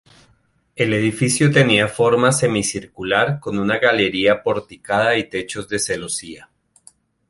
El edificio tenía forma semicircular, con una galería porticada y techos de celosía.